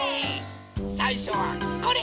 さいしょはこれ！